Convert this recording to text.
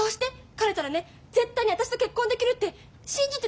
彼ったらね絶対に私と結婚できるって信じてたんだって。